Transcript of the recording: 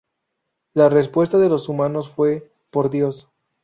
La respuesta de los humanos fue: "¡Por dios!